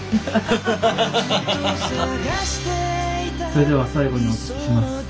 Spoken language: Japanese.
それでは最後にお聞きします。